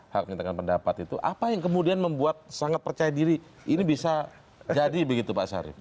hak menyatakan pendapat itu apa yang kemudian membuat sangat percaya diri ini bisa jadi begitu pak syarif